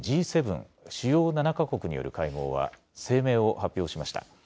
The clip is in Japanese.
主要７か国による会合は声明を発表しました。